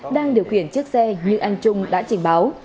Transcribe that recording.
đang điều khiển chiếc xe như anh trung đã trình báo